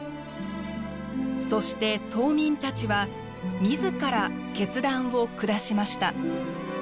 そして島民たちは自ら決断を下しました。